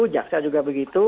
jaksa juga begitu